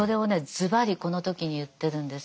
ズバリこの時に言ってるんです。